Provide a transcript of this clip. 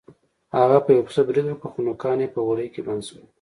هغه په یو پسه برید وکړ خو نوکان یې په وړۍ کې بند شول.